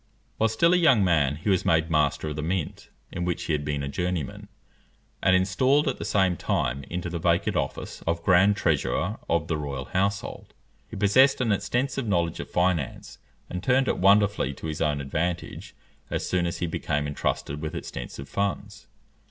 While still a young man, he was made master of the mint, in which he had been a journeyman, and installed at the same time into the vacant office of grand treasurer of the royal household. He possessed an extensive knowledge of finance, and turned it wonderfully to his own advantage, as soon as he became entrusted with extensive funds.